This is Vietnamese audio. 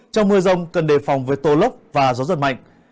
trong mưa rông cần đề phòng với tô lốc và gió giật mạnh